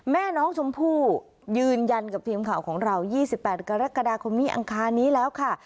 แม่น้องชมพู่ยืนยันกับทีมข่าวของเรา๒๘กรกฎาคมนี้อังคารนี้แล้วค่ะ